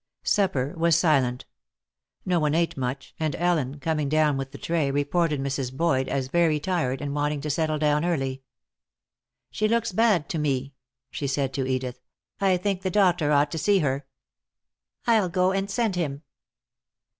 Supper was silent. No one ate much, and Ellen, coming down with the tray, reported Mrs. Boyd as very tired, and wanting to settle down early. "She looks bad to me," she said to Edith. "I think the doctor ought to see her." "I'll go and send him."